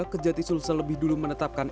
kejati sulsel lebih dulu menetapkan